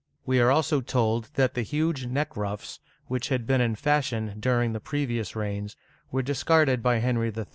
We are also told that the huge neck ruffs, which had been in fashion during the previous reigns, were jJiscarded by Henry III.